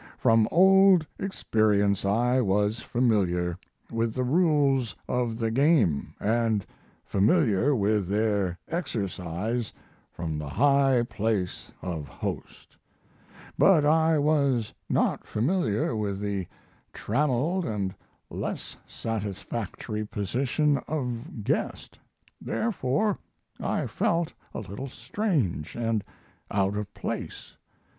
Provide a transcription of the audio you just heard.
From old experience I was familiar with the rules of the game and familiar with their exercise from the high place of host; but I was not familiar with the trammeled and less satisfactory position of guest, therefore I felt a little strange and out of place.